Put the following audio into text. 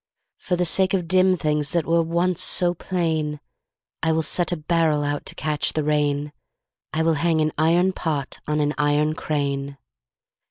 For the sake of dim things That were once so plain I will set a barrel Out to catch the rain, I will hang an iron pot On an iron crane.